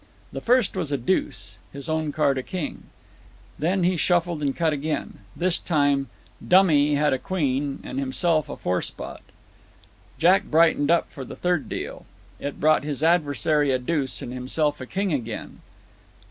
The first was a deuce, his own card, a king. He then shuffled and cut again. This time "dummy" had a queen, and himself a four spot. Jack brightened up for the third deal. It brought his adversary a deuce, and himself a king again.